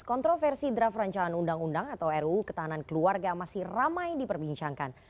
kontroversi draft rancangan undang undang atau ruu ketahanan keluarga masih ramai diperbincangkan